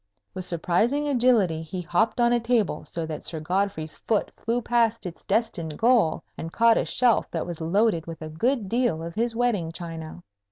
With surprising agility he hopped on a table, so that Sir Godfrey's foot flew past its destined goal and caught a shelf that was loaded with a good deal of his wedding china.